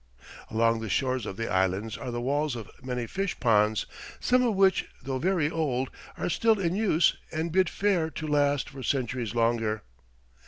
Along the shores of the Islands are the walls of many fish ponds, some of which, though very old, are still in use and bid fair to last for centuries longer.